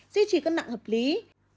duy trì cân nặng hợp lý